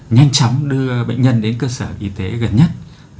nhanh chóng đưa bệnh nhân đến cơ sở y tế gần nhất